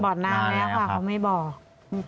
บอดน้ำแล้วค่ะเขาไม่บอด